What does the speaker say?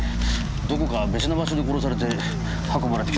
どこか別の場所で殺されて運ばれてきたようです。